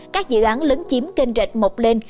các dự án lấn chím kênh rạch mộc lên